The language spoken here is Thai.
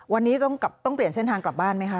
วันนี้ต้องเปลี่ยนเส้นทางกลับบ้านไหมคะ